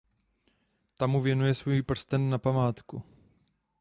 Ta mu věnuje svůj prsten na památku.